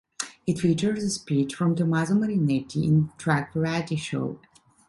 It features a speech from Tommaso Marinetti in the track 'Variety Show'.